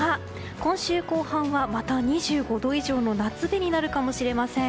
今週後半は、また２５度以上の夏日になるかもしれません。